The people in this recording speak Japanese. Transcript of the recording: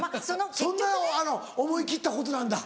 そんな思い切ったことなんだ。